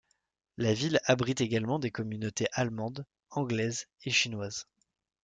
La ville abrite également des communautés allemande, anglaise et chinoise.